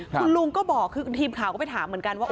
คุณลุงก็บอกคือทีมข่าวก็ไปถามเหมือนกันว่า